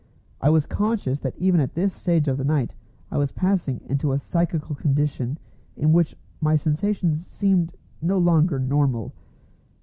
I was conscious that even at this stage of the night I was passing into a psychical condition in which my sensations seemed no longer normal.